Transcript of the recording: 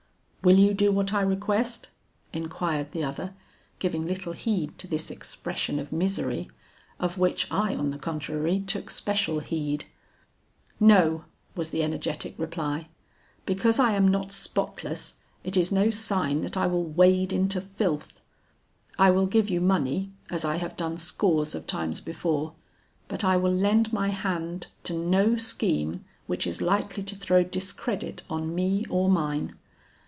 'Will you do what I request?' inquired the other, giving little heed to this expression of misery, of which I on the contrary took special heed. 'No,' was the energetic reply; 'because I am not spotless it is no sign that I will wade into filth. I will give you money as I have done scores of times before, but I will lend my hand to no scheme which is likely to throw discredit on me or mine.